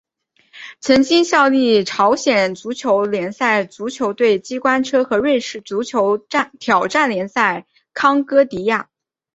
曾经效力朝鲜足球联赛足球队机关车和瑞士足球挑战联赛康戈迪亚。